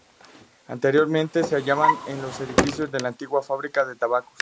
Anteriormente se hallaba en los edificios de la antigua Fábrica de Tabacos.